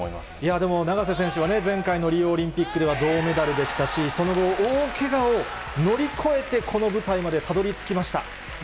でも、永瀬選手はね、前回のリオオリンピックでは銅メダルでしたし、その後、大けがを乗り越えて、この舞台までたどりつきました。